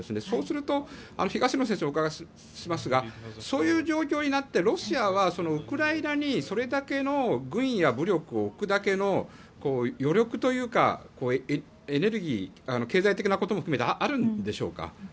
そうすると東野先生にお伺いしますがそういう状況になってロシアはウクライナにそれだけの軍や武力を置くだけの余力というかエネルギー経済的なことも含めてあるんでしょうか。